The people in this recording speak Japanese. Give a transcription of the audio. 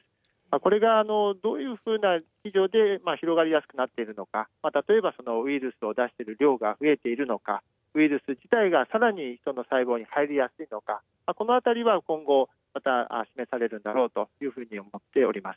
これがどういうふうな事情で広がりやすくなっているのか、例えばそのウイルスを出す量が増えているのか、ウイルス自体がさらにヒトの細胞に入りやすいのか、このあたりは今後、また示されるんだろうというふうに思っております。